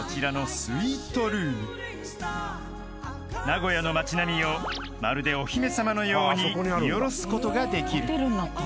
［名古屋の街並みをまるでお姫さまのように見下ろすことができる］